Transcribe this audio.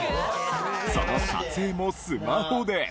その撮影もスマホで。